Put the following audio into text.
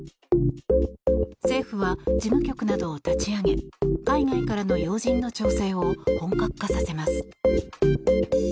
政府は事務局などを立ち上げ海外からの要人の調整を本格化させます。